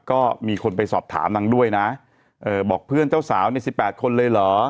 ก็มีคนไปสอบถามนางด้วยนะบอกเพื่อนเจ้าสาวในสิบแปดคนเลยเหรอ